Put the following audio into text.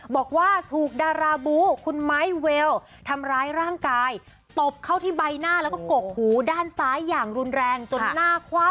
บอกว่าถูกดาราบูคุณไม้เวลทำร้ายร่างกายตบเข้าที่ใบหน้าแล้วก็กกหูด้านซ้ายอย่างรุนแรงจนหน้าคว่ำ